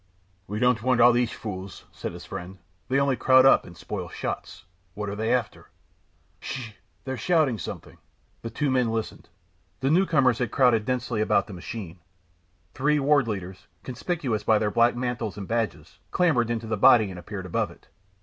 "We don't want all these fools," said his friend. "They only crowd up and spoil shots. What are they after?" "Ssh! they're shouting something." The two men listened. The new comers had crowded densely about the machine. Three Ward Leaders, conspicuous by their black mantles and badges, clambered into the body and appeared above it.